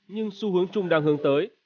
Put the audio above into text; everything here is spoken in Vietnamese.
nhưng xu hướng chung đang hướng tới